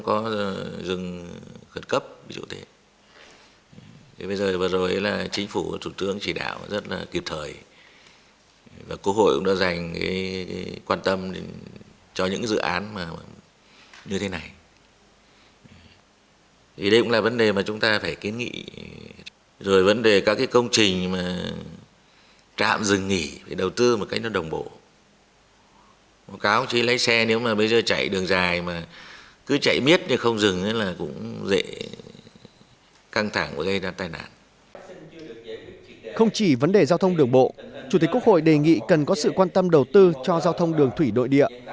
chủ tịch quốc hội đề nghị cần có sự quan tâm đầu tư cho giao thông đường thủy đội địa